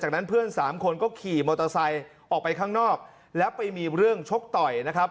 จากนั้นเพื่อนสามคนก็ขี่มอเตอร์ไซค์ออกไปข้างนอกแล้วไปมีเรื่องชกต่อยนะครับ